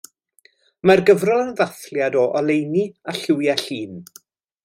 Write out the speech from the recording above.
Mae'r gyfrol yn ddathliad o oleuni a lliwiau Llŷn.